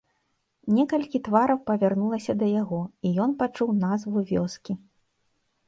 Некалькі твараў павярнулася да яго, і ён пачуў назву вёскі.